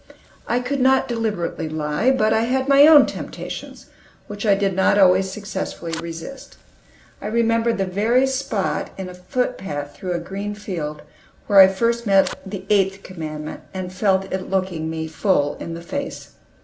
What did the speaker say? I could not deliberately lie, but I had my own temptations, which I did not always successfully resist. I remember the very spot in a footpath through a green field where I first met the Eighth Commandment, and felt it looking me full in the face.